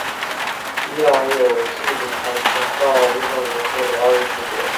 伊朗有四名跆拳道运动员获得奥运资格。